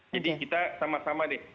jadi kita sama sama deh